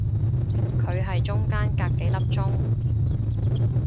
佢係中間隔幾粒鐘